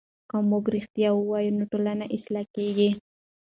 که موږ رښتیا وایو نو ټولنه اصلاح کېږي.